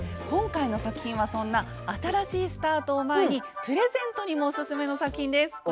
今回の作品はそんな新しいスタートを前にプレゼントにもおすすめの作品です。